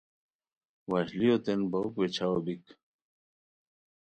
وشلیوتین بوک ویچھاؤ بیک